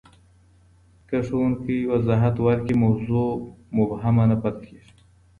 که ښوونکی وضاحت وکړي، موضوع مبهمه نه پاته کېږي.